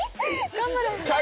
頑張れ。